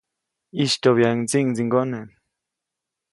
ʼYistyoʼbyaʼuŋ ndsiʼŋdsiŋgone.